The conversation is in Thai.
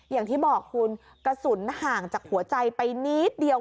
อย่างที่บอกคุณกระสุนห่างจากหัวใจไปนิดเดียว